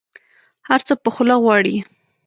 هر څه په خوله غواړي.